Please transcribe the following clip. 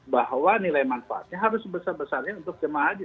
bahwa nilai manfaatnya harus sebesar besarnya untuk jemaah haji